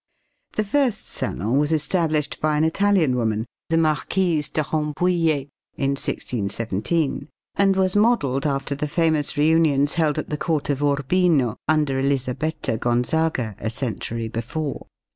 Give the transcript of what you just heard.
The first salon was established by an Italian woman, the Marquise de Rambouillet, in 1617, and was modeled after the famous reunions held at the court of Urbino under Elizabetta Gonzaga, a century before.